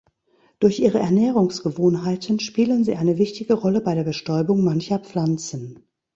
Durch ihre Ernährungsgewohnheiten spielen sie eine wichtige Rolle bei der Bestäubung mancher Pflanzen.